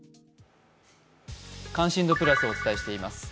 「関心度プラス」をお伝えしています。